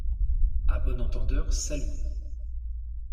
À bon entendeur, salut